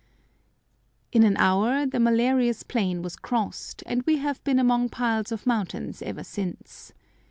In an hour the malarious plain was crossed, and we have been among piles of mountains ever since.